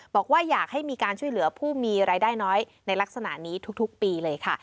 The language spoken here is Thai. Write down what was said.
บอกว่าอยากให้มีการช่วยเหลือผู้มีรายได้น้อยในลักษณะนี้ทุกปีเลยค่ะ